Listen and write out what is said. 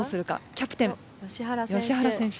キャプテン吉原選手。